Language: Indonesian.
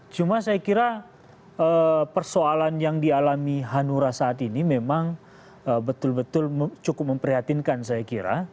cuma saya kira persoalan yang dialami hanura saat ini memang betul betul cukup memprihatinkan saya kira